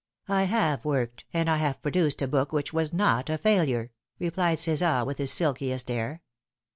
" I have worked, and I have produced a book which was not a failure," replied Csar, with his silkiest air.